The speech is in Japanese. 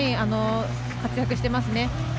活躍してますね。